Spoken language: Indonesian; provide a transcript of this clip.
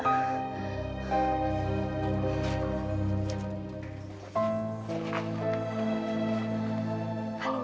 kau harus bertemu dewa langit